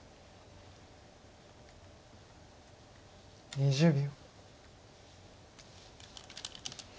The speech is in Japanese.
２０秒。